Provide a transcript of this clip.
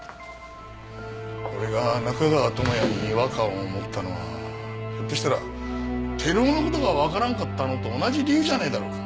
俺が中川智哉に違和感を持ったのはひょっとしたら照夫の事がわからんかったのと同じ理由じゃねえだろうか。